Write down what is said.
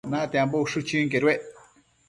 Natiambo ushë chënquedued